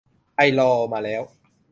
ไอลอว์ มาแล้ว